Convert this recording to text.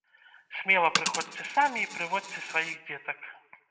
Смела прыходзьце самі і прыводзьце сваіх дзетак!